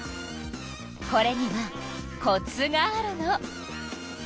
これにはコツがあるの。